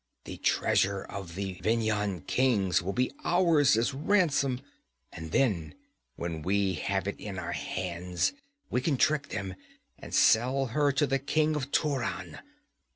The treasure of the Vendhyan kings will be ours as ransom and then when we have it in our hands, we can trick them, and sell her to the king of Turan.